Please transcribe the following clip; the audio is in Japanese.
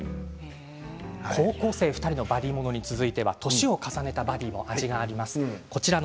高校生２人のバディーものに続いては年を経たバディーも味わいがあります。